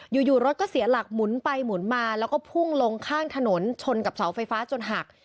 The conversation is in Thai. อยู่รถก็เสียหลักหมุนไปหมุนมาแล้วก็พุ่งลงข้างถนนชนกับเสาไฟฟ้าจนหัก